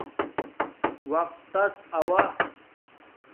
وقتس آوہ